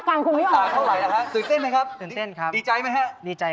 ไม่รู้ว่าคะแนนที่ได้เท่าไร